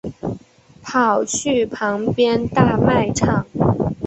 跑去旁边大卖场